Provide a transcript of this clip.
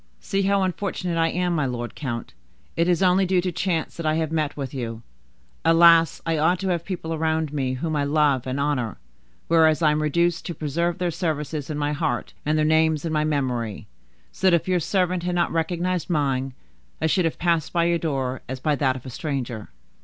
"See how unfortunate I am, my lord count; it is only due to chance that I have met with you. Alas! I ought to have people around me whom I love and honor, whereas I am reduced to preserve their services in my heart, and their names in my memory: so that if your servant had not recognized mine, I should have passed by your door as by that of a stranger."